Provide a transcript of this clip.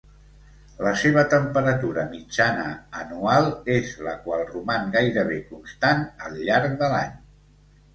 La seva temperatura mitjana anual és la qual roman gairebé constant al llarg de l'any.